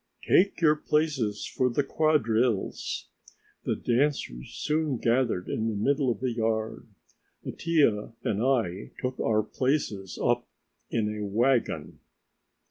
"Take your places for the quadrilles!" The dancers soon gathered in the middle of the yard. Mattia and I took our places up in a wagon.